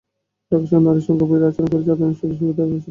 ঢাকা শহর নারীর সঙ্গে বৈরী আচরণ করছে আধুনিক সুযোগ-সুবিধা থাকা সত্ত্বেও।